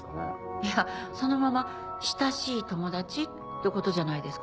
いやそのまま「親しい友達」ってことじゃないですか？